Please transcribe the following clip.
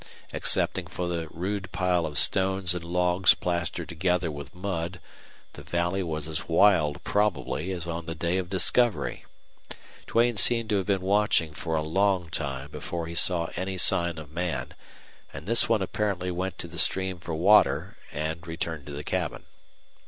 Excepting for the rude pile of stones and logs plastered together with mud, the valley was as wild, probably, as on the day of discovery. Duane seemed to have been watching for a long time before he saw any sign of man, and this one apparently went to the stream for water and returned to the cabin.